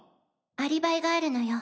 アリバイがあるのよ。